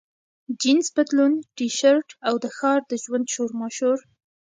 جینس پتلون، ټي شرټ، او د ښار د ژوند شورماشور.